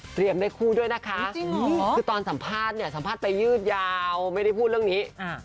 ได้คู่ด้วยนะคะคือตอนสัมภาษณ์เนี่ยสัมภาษณ์ไปยืดยาวไม่ได้พูดเรื่องนี้